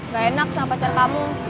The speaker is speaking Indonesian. tidak enak dengan pacar kamu